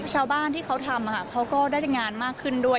ชาวบ้านที่เขาทำเขาก็ได้งานมากขึ้นด้วย